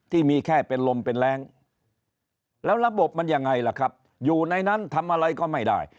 ที่มีแค่เป็นลมเป็นแรงแล้วระบบมันยังไงล่ะครับอยู่ในนั้นทำอะไรก็ไม่ได้